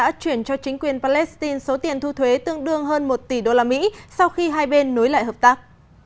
israel đã chuyển cho chính quyền palestine số tiền thu thuế tương đương hơn một tỷ đô la mỹ sau khi hai bên nối lại hợp tác